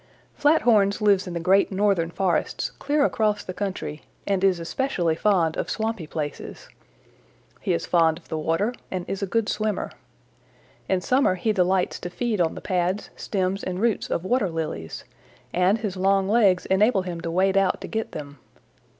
"Flathorns lives in the great northern forests clear across the country, and is especially fond of swampy places. He is fond of the water and is a good swimmer. In summer he delights to feed on the pads, stems and roots of water lilies, and his long legs enable him to wade out to get them.